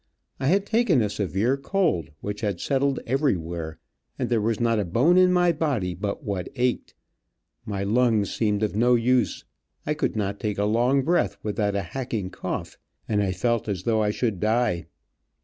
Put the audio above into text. I had taken a severe cold which had settled everywhere, and there was not a bone in my body but what ached; my lungs seemed of no use; I could not take a long breath without a hacking cough, and I felt as though I should die.